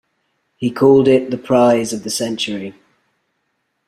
He called it 'the prize of the century'.